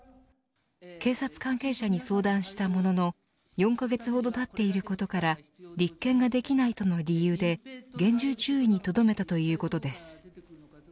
警察関係者に相談したものの４カ月ほどたっていることから立件ができないとの理由で厳重注意にとどめたということです。